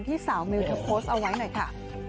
สาวมิวเธอโพสต์เอาไว้หน่อยค่ะ